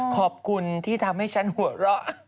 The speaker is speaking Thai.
ขอบคุณที่ทำให้ฉันหัวเราะ